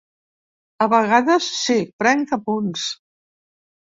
A vegades, sí, prenc apunts.